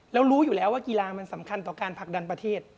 แล้วรู้อยู่แล้วว่ากีฬามันสำคัญต่อการผลักดันประเทศ